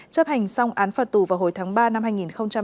chấp hành xong án phạt tù vào hồi tháng ba năm hai nghìn hai mươi